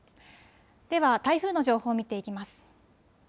では台風の情報、見ていきます。